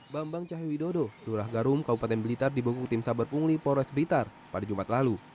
bambang cahyo widodo lurah garum kabupaten blitar dibekuk tim saber pungli polres blitar pada jumat lalu